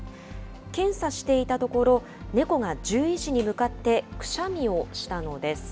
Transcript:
検査していたところ、猫が獣医師に向かってくしゃみをしたのです。